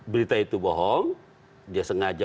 berita itu bohong dia sengaja